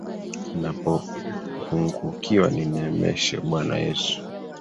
Ninapopungukiwa nineemeshe bwana Yesu.